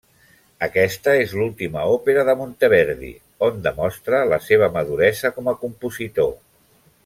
Aquesta és l'última òpera de Monteverdi, on demostra la seva maduresa com a compositor.